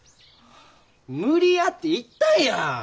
無理やって言ったんや。